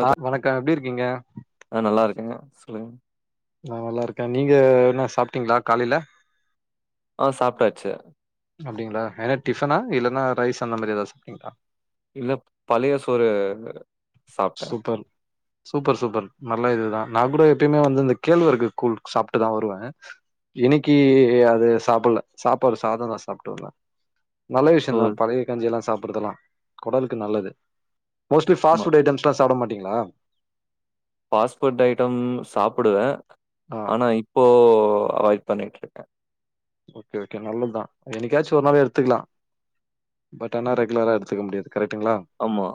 [unintelligible] வணக்கம் எப்டி இருக்கீங்க நா நல்லா இருக்கேங்க சொல்லுங் நா நல்லா இருக்கே நீங்க என்ன சாப்ட்டீங்ளா காலைல ஆ சாப்ட்டாச்சு அப்டிங்ளா என்னா டிஃபனா இல்லன்னா ரைஸ் அந்த மாரி எதாது சாப்டீங்ளா இல்ல பழைய சோறு சாப்ட்டேன். சூப்பர் சூப்பர் சூப்பர் நல்ல இதுதா நா கூட எப்பயுமே வந்து இந்த கேழ்வரகு கூழ் சாப்ட்டு தா வருவே இன்னிக்கு அது சாப்பிட்ல சாப்பாடு சாதந்தா சாப்ட்டு வந்த நல்ல ஓ! விஷயந்தா பழைய கஞ்சி எல்லா சாப்டுறதுலா கொடலுக்கு நல்லது மோஸ்ட்லி ஃபாஸ்ட் ஆமா. ஃபுட் ஐட்டம்ஸ் சாப்ட மாட்டீங்ளா ஃபாஸ்ட் ஃபுட் ஐட்டம் சாப்புடுவே ஆ ஆனா இப்போ அவாய்ட் பண்ணிட்டு இருக்க ஓகே ஓகே நல்லதுதா என்னைக்காச்சு ஒரு நாள் எடுத்துக்கலா பட் ஆனா ஆமா. ரெகுலரா எடுத்துக்க முடியாது கரெக்டுங்ளா ஆமா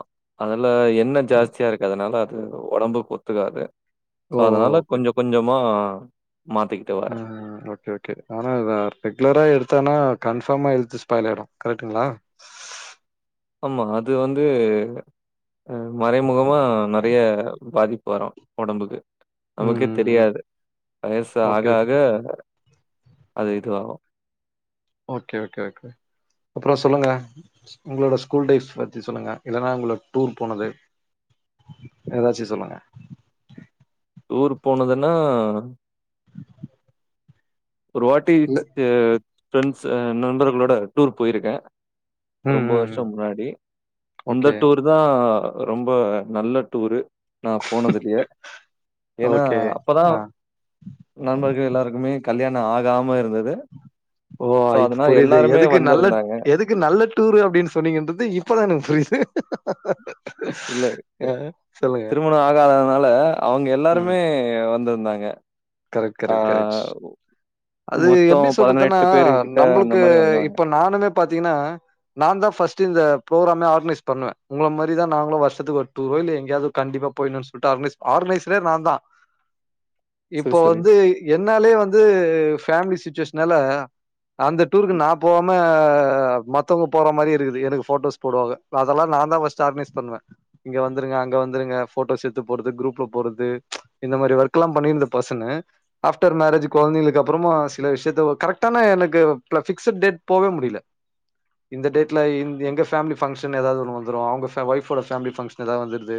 அதுல எண்ண ஜாஸ்தியா இருக்கு அதனால அது ஒடம்புக்கு ஒத்துக்காது சோ ஓ ஓ அதனால ஓகே கொஞ்ச கொஞ்சமா மாத்திக் ம் ஓகே ஓகே ஆனா அத ரெகுலரா எடுத்தானா கன்ஃபாமா ஹெல்த்து ஸ்பாயில் ஆயிடு கரெக்டுங்ளா ஆமா அது வந்து ஆ மறைமுகமா நெறைய பாதிப்பு வரு ஒடம்புக்கு நமக்கே ம். தெரியாது வயசு ஆக ஓகே, ஓகே. ஆக அது இதுவாகு ஓகே ஓகே ஓகே அப்றோ சொல்லுங்க உங்களோட ஸ்கூல் லைஃப் பத்தி சொல்லுங்க இல்லன்னா உங்கள டூர் போனது எதாச்சு சொல்லுங்க டூர் போனதுன்னா ஒரு வாட்டி இல்ல தெ ஃப்ரெண்ட்ஸ் அ நண்பர்களோட டூர் போயிருக்க ம், ரொம்ப ம், வருஷ ம். முன்னாடி அந்த ஓகே, டூர்தா ரொம்ப நல்ல டூர் நா போனதுலயே ஏனா ஓகே. அப்போதா ஆ. நண்பர்கள் எல்லாருக்குமே கல்யாணோ ஆகாம இருந்தது ஓ ஸோ, இப்ப அதனால புரியுது எல்லாருமே எதுக்கு நல்ல வந்திருந்தாங்க. எதுக் கு நல்ல டூரு அப்டின்னு சொன்னிங்கன்றது இப்பதா எனக்கு புரியுது இல்ல தெ அ சொல்லுங்க. திருமண ஆகாதனால அவங்க எல்லாருமே வந்திருந்தாங்க கரெக் ஆ கரெக் கரெக்ட் அது மொத்தம் எப்டி சொல்றதுன்னா பேரு கிட்ட அந்த நம்பளுக்கு மாரி வந்தாங்க. இப்ப நானுமே பாத்தீங்கன்னா நாந்தா ஃபஸ்ட் இந்த புரோக்ரோமே ஆர்க்னைஸ் பண்ணுவே உங்கள மாரிதா நாங்களு வருஷத்துக்கு ஒரு டூரோ இல்ல எங்கயாவது கண்டிப்பா போய்டுனு சொல்ட்டு ஆர்கனைஸ் ஆர்கனைசரே நாந்தா சரி, இப்போ சரி. வந்து என்னாலயே வந்து ஃபேமிலி சுச்சுவேஷனால அந்த டூருக்கு நா போவாம மத்தவங்க போற மாரி இருக்குது எனக்கு போட்டோஸ் போடுவாக அதெல்லா நாந்தா ஃபஸ்ட் ஆர்கனைஸ் பண்ணுவே இங்க வந்துருங்க அங்க வந்துருங்க போட்டோஸ் எடுத்து போட்றது குரூப்ல போறது இந்த மாரி ஒர்க் எல்லா பண்ணி இந்த பசங்க ஆப்டர் மேரேஜ் கொழந்தைங்களுக்கு அப்புறமு சில விஷயத்த கரெக்டானா எனக்கு ப்ல ஃபிக்ஸட் டெட் போகவே முடியல இந்த டேட்ல இந் எங்க ஃபேமிலி ஃப்ங்ஷன் எதாவது ஒன்னு வந்துரு அவுங்க ஃபெ ஒய்ஃப்போட ஃபேமிலி ஃபங்ஷ்ன் எதா வந்துருது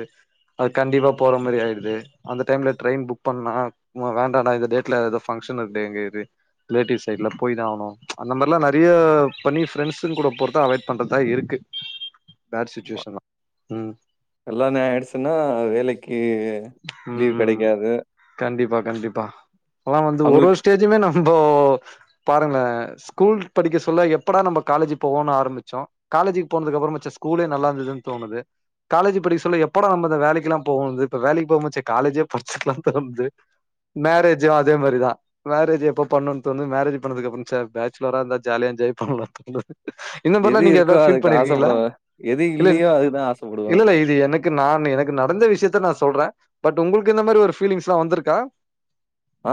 அது கண்டிப்பா போற மாரி ஆயிடுது அந்த டைம்ல ட்ரெயின் புக் பண்ணா உமா வேண்டான்டா இந்த டேட்ல எதோ ஃப்ங்ஷன் இருக்குடே இங்கே இரு ரிலேட்டியு சைடில்லே போய்தா ஆவனு அந்த மார்லா நெறைய பண்ணி ஃப்ரெண்ட்ஸ்ங்க கூட போறதா அவாய்ட் பண்றதா இருக்கு பேட் சிச்சுவேஷன்தா ம் கல்லாணோ ஆயிடுச்சுன்னா வேலைக்கு லீவ் ம் கெடைக்காது கண்டிப்பா கண்டிப்பா இப்பலா வந்து ஒரு அவங்களுக்கு ஒரு ஸ்டேஜ்ஜுமே நம்போ பாருங்கள ஸ்கூல் படிக்க சொல்ல எப்படா நம்ப காலேஜ் போவோன் ஆரம்பிச்சோ காலேஜிக்கு போனதுக்கப்றமா ச்சே ஸ்கூலே நல்லா இருந்ததுன்னு தோணுது காலேஜ் படிக்க சொல்ல எப்படா நம்ம இந்த வேலைக்குல்லா போவோன்னுது இப்ப வேலைக்கு போகும் ச்சே காலேஜே படிச்சர்லான் தோணுது மேரேஜு அதே மாரிதா மேரேஜ் எப்போ பண்ணுன் தோணு மேரேஜ் பண்ணதுக்கப்புறம் ச்சே பேச்சுலரா இருந்தா ஜாலியா என்ஜாய் பண்ணலானு தோணுது இந்த மார்லா எது நீங்க எதா இருக்கோ ஃபீல் அதுக்கு பண்ணிருக்கீங்களா ஆசைப்படுவேன். எது இல்ல இது இல்லையோ அதுதான் ஆசைப்படுவோம் இல்லல நம்ம. இது எனக் கு நானு எனக்கு நடந்த விஷயத்த நா சொல்றே பட் உங்களுக்கு இந்த மாரி ஒரு ஃபீலிங்ஸ்லா வந்துருக்கா ஆ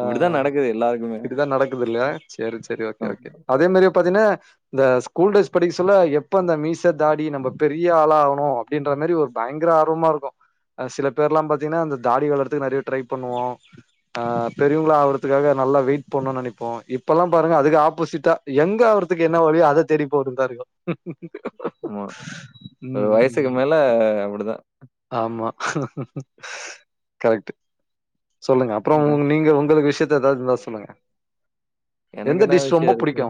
ஆ ஆ இப்படிதான் அ நடக்குது எல்லாருக்குமே. இதுதா நடக்குதுல்ல சேரி சேரி ஓகே ம். ஓகே அதே மாரியே பாத்தீங்கன்னா இந்த ஸ்கூல் டேஸ் படிக்க சொல்ல எப்ப அந்த மீச தாடி நம்ப பெரிய ஆளா ஆவனு அப்டின்ற மாரி ஒரு பயங்கர ஆர்வமாருக்கு அ சில பேர்லா பாத்தீங்கன்னா அந்த தாடி வளர்த் து நெறைய ட்ரை பண்ணுவோ ஆ பெரியவங்களா ஆகறதுக்காக நல்லா வெயிட் போடனுன் நெனைப்போ இப்பல்லா பாருங்க அதுக்கு ஆப்போசிட்டா யங்கா ஆவ்றதுக்கு என்ன வழியோ அத தேடி போறதா இருக்கோ ஆமா ஒரு ம் வயசுக்கு ம் மேல அப்டிதா ஆமா கரெக்ட்டு சொல்லுங்க அப்றோ வேற உங் நீங்க உங்களுக்கு விஷயத்த எதாவது இருந்த சொல்லுங்க எனக்கு எந்த என்ன டிஷ் ரொம்ப விஷயம் இருக்கு? புடிக்கு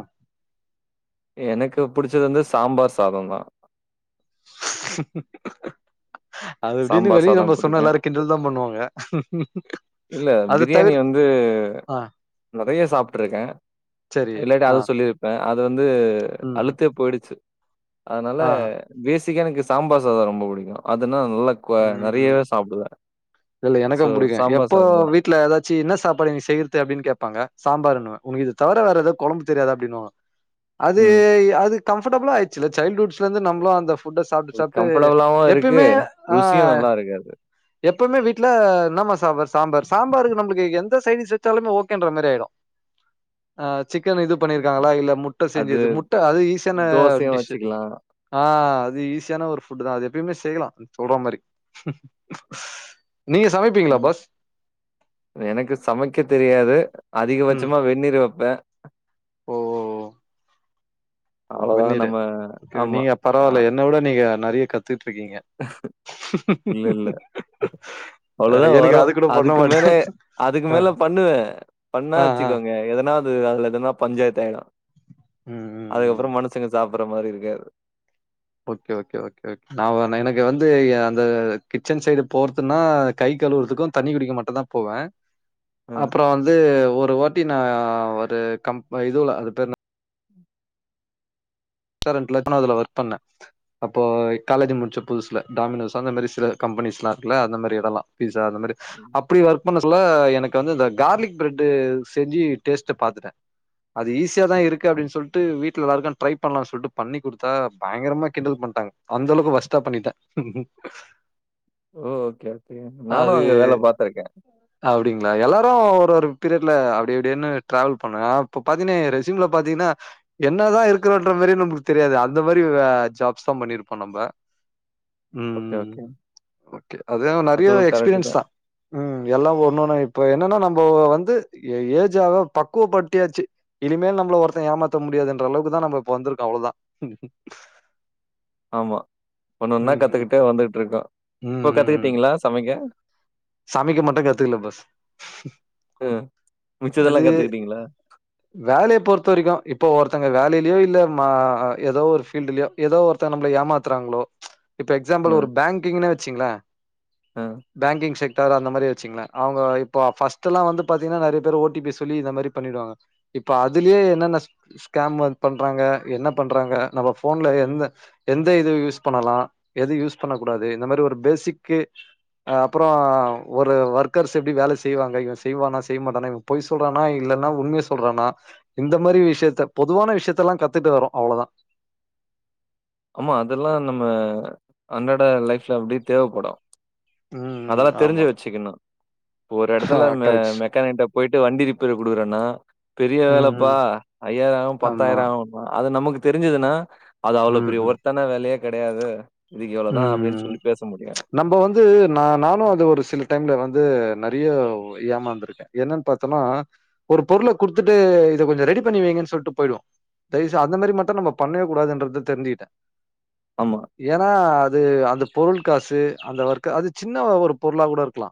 எனக்கு புடுச்சது வந்து சாம்பார் சாதோந்தா அது இப்டினு சாம்பார் வெளிய சாதம் நம்ப சொன்னா பிடிக்கும். எல்லாரு கிண் டல் தா பண்ணுவாங்க இல்ல அத பிரியாணி தவிர் வந்து நெறையா சாப்ட்ருக்கே செரி ஆ பே அது வந்து ம் ம் அழுத்தே போய்டுச்சு அதுனால ஆ பேஷிக்கா எனக்கு சாம்பார் சாதோ ரொம்ப பிடிக்கு அதுனா நல்லா குவ ம் நெறையாவே சாப்டுவே சோ சாம்பார் சாதம் தான். ட்ல எதாச்சு என்ன சாப்பாடு இன்னக்கி செய்றது அப்டின்னு கேப்பாங்க சாம்பாருனுவே ஒனக்கு இது தவர வேற எதாது கொழம்பு தெரியாதா அப்டினுவாங்க அது ம். அது கம்ஃபர்டபுளா ஆய்டுச்சுல்ல சைல்ட்ஹுட்ஸ்லருந்து நம்மளு அந்த புட்ட சாப்ட்டு அது சாப்ட்டு கம்ஃபர்டபுளாவும் இருக்கு. எப்பையுமே ஆ ருசியும் நல்லா இருக்கு அது. எப்பவுமே வீட்டுல என்னம்மா சாம்பார் சாம்பார் சாம்பாருக்கு நம்மளுக்கு எந்த சைடிஸ் வெச்சாலுமே ஓகேன்ற மாரி ஆயிடு ஆ சிக்கன் இது பண்ணிருக்காங்களா இல்ல முட் முட்ட அது செஞ்சது முட்ட அது ஈஸியான தோசையு டிஷு வச்சுக்கலா ஆ அது ஈஸியான ஒரு ஃபுட்டுதா அது எப்பையுமே செய்யலா சொல்ற மாரி நீங்க சமைப் ம் எனக்கு சமைக்க தெரியாது ம் அதிகபட்சமா வெந்நீர் வப்பே ஓ ஓ அவ்ளோதா வெந்நீரு நம்ம ஆமா. நீங்க ஆ பரவால்ல என்ன வுட நீங்க நெறையா கத் த்துட்ருக்கீங்க அவ்ளோ தா வரு அதுக்கு மேலயே அதுக்கு அ மேல பண்ணுவே பண்ணா ஆ ஆ வச்சுக்கோங்க எதனாவது அதுல எதனா பஞ்சாயத்து ஆயிடு ம் ம் ம் அதுக்கப்பறோ மனுசங்க சாப்புட்ற மாரி இருக்காது ஓகே ஓகே ஓகே ஓகே நா எனக்கு வந்து அந்த கிச்சன் சைடு போற்துன்னா கை கழுவுறதுக்கு தண்ணி குடிக்க மட்டு தா போவே ம். அப்றோ வந்து ஒரு ஓட்டி நா ஒரு கம்ப் இதுவுல அது பேரன்ன கரண்ட்ல இப்ப நா அதுல ஒர்க் பண்ணே அப்போ காலேஜு முடிச்ச புதுசுல டாமினோஸ் அந்த மாரி சில கம்பெனிஸ்லா இருக்குல அந்த மாரி எடலா பீஸா அந்த மாரி ம் அப்டி ஒர்க் பண்ண சொல்ல எனக்கு வந்து இந்த கார்லிக் ப்ரெட்டு செஞ்சு டேஸ்ட்டு பாத்துட்டே அது ஈசியா தா இருக்கு அப்டின் சொல்ட்டு வீட்ல எல்லாருக்கு ட்ரைப் பண்ணலான் சொல்ட்டு பண்ணி குடுத்தா பயங்கரமா கிண்டல் பண்ட்டாங்க அந்தளவுக்கு வொஸ்ட்டா பண்ணிட்டே ஓ ஓகே ஓகே நானு அது அங்க வேல பாத்துருக்கே அப்டிங்களா எல்லாரு ஒரு ஒரு பீரியட்ல அப்டி இப்டினு டிராவல் பண்ணுங்க இப்ப பதினேரு எ ரெசியூம்ல பாத்தீங்ன்னா என்னதா இருக்குதுன்ற மாரி நம்மளுக்கு தெரியாது அந்த மாரி ஜாப்ஸ் தா பண்ணிருப்போ நம்ப ம் ஓகே, ம் ஓகே. ம் ஓகே அதுவு நெறையா அதுவும் கரெக்ட் தான். எக்ஸ்பீரியன்ஸ்தா ம் எல்லா ஒண்ணொன்னு இப்ப என்னன்னா நம்போ வந்து ஏஜ்ஜாக பக்குவப்படுத்தியாச்சு இனிமேல் நம்மள ஒருத்தே ஏமாத்த முடியாதுன்ற அளவுக்குதா நம்ப இப்ப வந்துருக்கோ அவ்ளோதா ஆமா ஒண்ணு ஒன்னா கத்துக்கிட்டே வந்துட்ருக்கோ ம், இப்ப ம். ம். கத்துக்கிட்டீங்ளா சமைக்க சமைக்க மட்டு கத்துக்கல பாஸ் ம் மிச்சதெல்லா கத்துக்கிட்டீங்ளா வேலய பொறுத்த வரைக்கு இப்போ ஒருத்தங்க வேலையிலயு இல்ல ம ஏதோ ஒரு ஃபீல்டுலயோ ஏதோ ஒருத்தோங்க நம்மள ஏமாத்துறாங்ளோ இப்ப எக்ஸாம்பிள் ஒரு பேங்கிங்னே வெச்சுங்ளே ம் பேங்கிங் சை [unintelligible] அந்த மாரி வெச்சுங்களே அவுங்க இப்ப ஃபர்ஸ்டெல்லா வந்து பாத்தீங்கன்னா நெறைய பேர் ஓ டி பி சொல்லி இத மாரி பண்ணிடுவாங்க இப்ப அதுலயே என்னென்ன ஸ்கேம் வந் பண்றாங்க என்ன பண்றாங்க நம்ம ஃபோன்ல எந்த எந்த இது யூஸ் பண்ணலா எது யூஸ் பண்ண கூடாது இந்த மாரி ஒரு ஃபேசிக்கு அப்றோ ஒரு ஒர்க்கர்ஸ் எப்டி வேல செய்வாங்க இவே செய்வானா செய்ய மாட்டானா இவே பொய் சொல்றானா இல்லன்னா உண்மைய சொல்றானா இந்த மாரி விஷியத்த பொதுவான விஷியத்தெல்லா கத்துட்டு வரோ அவ்ளோ தா ஆமா அதெல்லா நம்ம அன்றாட லைஃப்ல அப்டியே தேவப்படு ம் ம் அதெல்லா தெரிஞ்சு ஆமா வெச்சுக்கணு ஒரு எடத்துல மெ கரெக்ட் மெக்கானிகிட்ட போய்ட்டு வண்டி ரிப்பேர்க்கு குடுக்குறேன்னா பெரிய ம் வேலப்பா ம் ஐயாயிரோ ஆவு ஆமா பத்தாயிரோ ஆவுனுவா அது நமக்கு தெரிஞ்சதுன்னா அது அவ்ளோ ம் ம் ஒர்த்தான வேலயே கெடையாது இதுக்கு இவ்ளோ தா அப்டின்னு சொல்லி பேச முடியு து நா நானு அது ஒரு சில டைம்ல வந்து நெறைய ஏமாந்துருக்கே என்னன்னு பாத்தன்னா ஒரு பொருள குடுத்துட்டு இத கொஞ்சோ ரெடி பண்ணி வைங்கன்னு சொல்லிட்டு போய்டுவோ தயசு செஞ் அந்த மாரி மட்டு நம்ம பண்ணவே கூடதுன்றது தெரிஞ்சிக்கிட்ட ஆமா ஆ அது அந்த பொருள் காசு அந்த ஒர்க்க அது சின்ன ஒரு பொருளா கூட இருக்கலா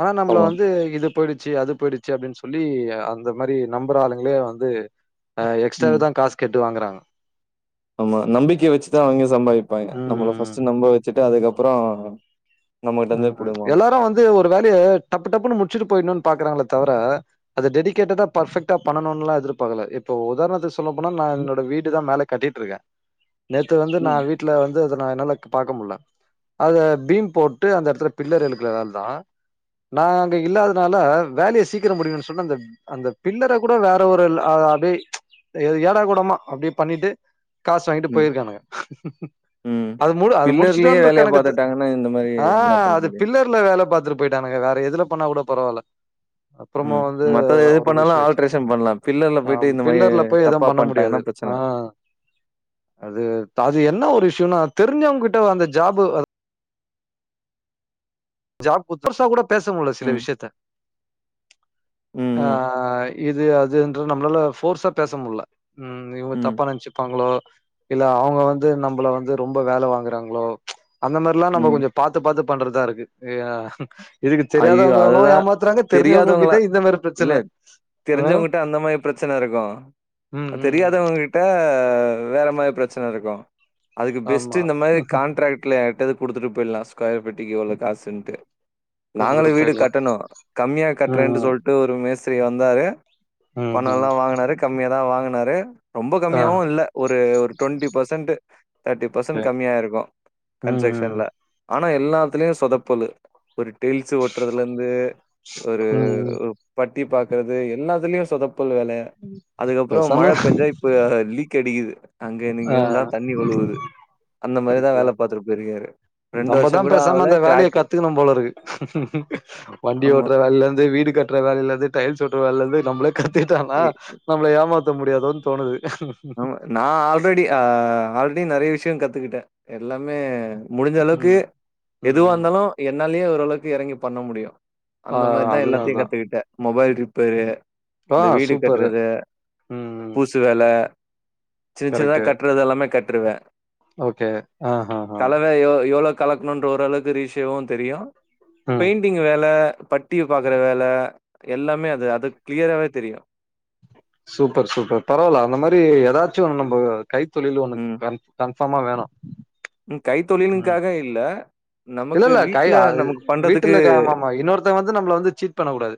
ஆனா நம்மள ஆமா. வந்து இது போய்டுச்சு அது போய்டுச்சு அப்டின்னு சொல்லி அந்த மாரி நம்புற ஆளுங்களே வந்து ம். எக்ஸ்டாக்குதா காசு கேட்டு வாங்குறாங்க ஆமா நம்பிக்கிய வெச்சுதா அவிங்க சம்பாதிப்பாங்க ம் நம்மள ஃபர்ஸ்ட் ம் நம்ப வெச்சுட்டு அதுக்கப்றோ ம் எல்லாரு வந்து ஒரு வேலய டப்பு டப்புன்னு முச்சுட்டு போயிர்ணுனு பாக்குறாங்களே தவிர அது டெடிக்கேட்டடா பர்ஃபெக்டா பண்ணணுலா எதிர்பாக்கல இப்ப உதாரணத்துக்கு சொல்ல போனா நா ம், என்னோட வீடு தா மேலே கட்டிட்ருக்க நேத்து வந்து நா ம். வீட் ல்ல வந்து அத நா என்னால பாக்க முட்ல அத பீம் போட் அந்த எடத்துல பிள்ளர் [unintelligible] நா அங்கே இல்லாததுனால வேலையை சீக்கிரோ முடியும்ன்னு சொன்ன அந்த அந்த பில்லர கூட வேற ஒரு அப்டியே ஏடா கூடமா அப்டி பண்ணிட்டு காசு வாங்கிட்டு ம், போயிருக்காங்க ம். அது மு அது பில்லர்லயே முடிச்சுட்டோன்ற வேலைய கணக்குத்து பார்த்துட்டாங்கன்னா, இந்த மாரி ஆ என்ன பண்ண அது முடியும்? பில்லர்ல வேல பாத்துட்டு போயிட்டானுங்க வேற எதுல பண்ணா கூட பரவாயில்ல ம் மத்தது எது பண்ணாலு ஆல்ட்ரேஷன் பண்லா பில்லர்ல ஆ போயிட்டு இந்த மாரி பில்லர்ல போய் எதுவும் தப்பா பண்ண முடியாது. பண்ணிட்டாங்கன்னா பிர ஆ ச்சன அது என்ன ஒரு இஷ்யூனா தெரிஞ்சவங்க கிட்ட அந்த ஜாப்பு ஜாப் [inaudible] கூட பேச முட்ல சில ம். விஷயத்த ம். ஆ ம். இது அதுன்ற நம்மளால ஃபோர்சா பேச முட்ல இவங்க ம். தப்பா நெனச்சு ப்பாங்களோ இல்ல அவங்க வந்து நம்மள வந்து ரொம்ப வேல வாங்குறாங்ளோ அந்த மாரிலா நம்ம ம். கொஞ்சோ பாத்து பாத்து பண்றதா இருக்கு இதுக்கு ஐயோ! தெரியாதவங்களு அதுதான் ஏமாத்துறாங்க தெரிஞ்சவங்கள் கிட்ட இந்த மாரி பிரச்சன தெரிஞ்சவங்கிட்ட அந்த மாரி பிரச்சன இருக்கு ம் ம் ம். தெரியாதவங்க கிட்ட வேற மாரி பிரச்சன இருக்கு அதுக்கு ஆமா பெஸ்ட்டு இந்த மாரி கான்ட்ராக்ட் ல்ல யார்கிட்டயாவது குடுத்துட்டு போயிடலா ஸ்கொயர் பிட்டுக்கு இவ்ளோ காசுன்ட்டு நாங்களு கூட்டத்துட்டு வீடு போயிடலாம். கட்டணு கம்மியா ம் கட்டுறேன்ட்டு ம் சொல் ட்டு ஒரு மேஸ்திரி வந்தாரு ம். ம். பணோலா வாங்குனாரு கம்மியாதா வாங்குனாரு ரொம்ப ஆ கம்மியாவு இல்ல ஒரு ஒரு twenty percent thirty okay percent கம்மியா இருக்கு ம் ம் கன்சக்சன்ல ஆனா எல்லாத்துலயு சொதப்பலு ஒரு டேல்ஸ்ஸு ஒட்றதுலருந்து ஒரு ம் ம் பட்டி பாக்குறது எல்லாத்துலயு சொதப்பல் வேல அதுக்கப்பறோ மழ பேசாம பேஞ்சா இப்ப வேற லீக் அடிக்குது அங்க நீங்க ஆ இருந்தா தண்ணி ஒழுவுது அந்த மாரிதா கரெக்ட் தா வேல பாத்துட்டு போய்ருக்காரு ரெண்டு வருஷோ நம்மதா கூட பேசாம ஆவல அந்த வேலைய கிராக்கு கத்துக்கணு போல இருக்கு வண்டி ஆமா ஓட்ற வேலேல இருந்து வீடு கட்ற வேலேல இருந்து டைல்ஸ் ஒட்ற வேலேல இருந்து நம்பளே கத்துகிட்டாதா எ நம்பளய ஏமாத்த முடியாதோன் தோணுது ஆமா நா ஆல்ரெடி அ ஆல்ரெடி நெறைய விஷயோ கத்துக்கிட்டே எல்லாமே முடிஞ்சளவுக்கு ம் ம் எதுவா ம் இருந்தாலு என்னாலயு ஓரளவுக்கு எறங்கி பண்ண முடியு ஆ அந்த மாரிதா அதுதா எல்லாத்தையு அதா கத்துக்கிட்டே மொபைல் ரிப்பேரு ஆ இந்த வீடு சூப்பரு கட்றது ம் ம் பூசு வேல சின் சின்னதா கரெக்ட்டு கட்றது எல்லாமே கட்ருவே ஓகே ஆ ஹா ஹா கலவ எவ் எவ்ளோ கலக்கணுன்ற ஓரளவுக்கு ரேஷியோவு தெரியு ம் பெயிண்டிங் வேல பட் டி பாக்கற வேல எல்லாமே அது அதுக் கிளியரவே தெரியு சூப்பர் சூப்பர் பரவால்ல அந்த மாரி ஏதாச்சு ஒண்ணு நம்ப கைத்தொழில் ஒண்ணு க கன்ஃபாமா வேணு ப் ம் கைத்தொழிலுன்காக இல்ல இல்ல நமக்கு இல்ல கை வீட்ல அது நமக்கு வீட்ல பண்றதுக்கு இருக்க ஆமாமா இன்னொருத்தங்க வந்து நம்மள வந்து சீட் பண்ண கூடாது.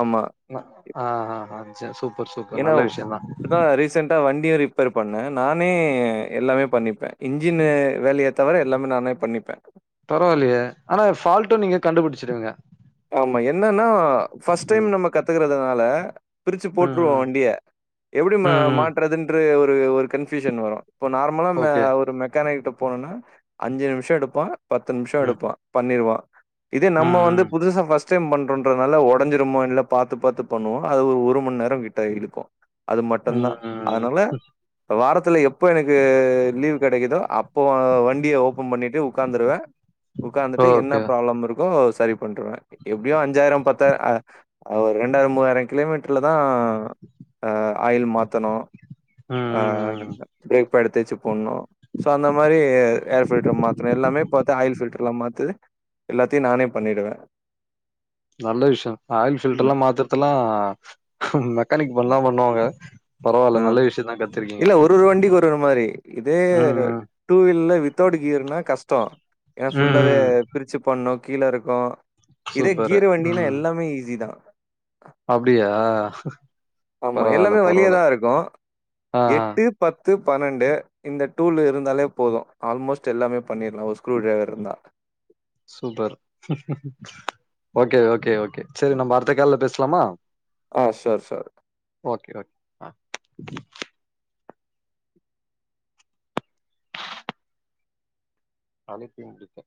ஆமா ஆ ஆ ஆ சேர் சூப்பர் சூப்பர் நல்ல விஷ்யந்தா டா வண்டிய ரிப்பேர் பண்ணே நானே எல்லாமே பண்ணிப்பே இன்ஜின் வே வேலயத் தவர எல்லாமே நானே பண்ணிப்பே பரவால்லயே ஆனா ஃபால்ட்டு நீங்க கண்டுபுடுச்சுடுவீங்க ஆமா என்னன்னா பஃர்ஸ்ட் டைம் ம் நம்ம கத்துக்கறதுனால பிருச்சு ம் போட்ருவோ ம் வண்டிய எப்டி மா ம் ம் மாட்றதுன்ற ஒரு ஒரு கன்ஃபூசன் வரு இப்போ நார்மலா த ஓகே ஒரு மெக்கானிக் போனோனா அஞ்சு நிமிஷோ எடுப்பா பத்து நிமிஷோ ம் எடுப்பா பண்ணிருவா இதே நம்ம ம் வந்து ம் புதுசா ஃபர்ஸ்ட் டைம் பண்றன்றனால ஒடஞ்சுருமோ இல்ல பாத்து பாத்து பண்ணுவோ அது ஒரு ஒரு மணி நேரோ கிட்ட இழுக்கு அது மட்டுந்தா ம் ம் அதுனால வாரத்துல எப்ப எனக்கு லீவ் கெடைக்கிதோ அப்ப வண்டிய ஓபன் பண்ணிட்டு உக்காந்துருவே உக்காந்துட்டு என்ன ஓகே ப்ராப்ளம் இருக்கோ சரி பண்றுவு எப்டியு அஞ்சாயிரோ பத்தாயிரோ அ ஒரு இரண்டாயிரோ மூவாயிரோ கிலோமீட்டர்ல தா அ ஆ ஆயில் மாத்தணு ம் ஆ ம் ம் பிரேக் ப எடுத்து வச்சு போட்ணு சோ அந்த மாரி ஏர் ஃபில்டர் மாத்தணு எல்லாமே பாத்தா ஆயில் ஃபில்டர்ல்லா மாத்துது எல்லாத்தயு நானே பண்ணிடுவே நல்ல விஷ்யோ ஆயில் ஃபில்டர்ல்லா மாத்துரதல்லா மெக்கானிக் பண்லா பண்ணுவாங்க பரவால்ல ஆ நல்ல விஷயந்தா கத்துருக்கீங்க இல்ல ஒரு ஒரு வண்டிக்கு ஒரு ஒரு மாரி இதே ம் ம் டூ வீலர்ல வித்தவுட் கீர்னா கஷ்டோ ஏன்னா ம் ஃபுல்லாவே ம் பிருச்சு பண்ணு கீழ இருக்கு இதே சூப்பரு கீர் வண்டினா ம் எல்லாமே ஈஸி தா அப்டியா பரவால்ல பரவால்ல நோ ஆ ஆ எட்டு பத்து பன்னண்டு இந்த டூல் இருந்தாலே போது ஆல்மோஸ்ட் எல்லாமே பண்ணிற்லா ஒரு ஸ்க்ரூ டிரைவர் இருந்தா சூப்பர் ஓகே ஓகே ஓகே செரி நம்ப அடுத்த கால்ல பேசலாமா ஆ செர் செர் ஓகே ஓ அ கழுத்தின் இருக்கு